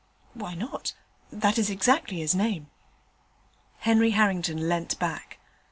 'Why not? that is exactly his name.' Henry Harrington leant back.